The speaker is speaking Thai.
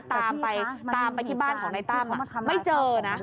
ตามไปที่บ้านของในตั้มไม่เจอนะ